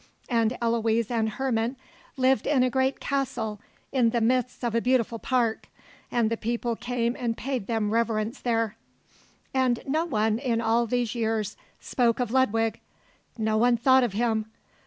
And Eloise and Herman lived in a great castle in the midst of a beautiful park, and the people came and paid them reverence there. And no one in all these years spoke of Ludwig. No one thought of him.